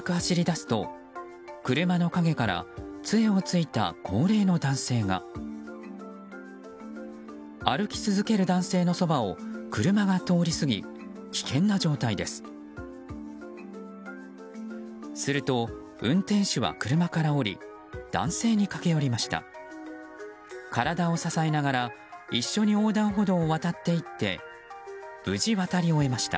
すると、運転手は車から降り男性に駆け寄りました。